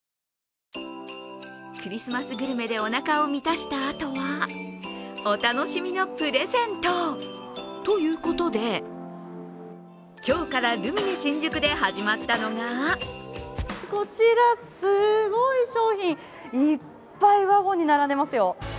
クリスマスグルメでおなかを満たしたあとはお楽しみのプレゼント。ということで今日からルミネ新宿で始まったのがこちら、すごい商品、いっぱいワゴンに並んでますよ。